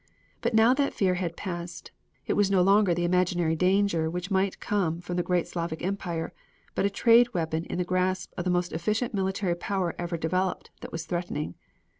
But now that fear had passed. It was no longer the imaginary danger which might come from the great Slavic Empire, but a trade weapon in the grasp of the most efficient military power ever developed that was threatening.